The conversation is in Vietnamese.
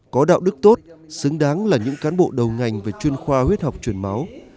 có đạo đức tốt xứng đáng là những cán bộ đầu ngành về chuyên khoa huyết học truyền máu